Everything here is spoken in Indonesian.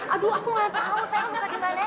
aduh aku gak tau sayang udah gimana yan